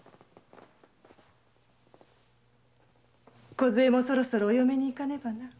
こずえもそろそろお嫁にいかねばな。